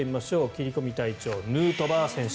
切り込み隊長、ヌートバー選手。